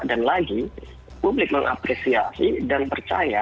dan lagi publik mengapresiasi dan percaya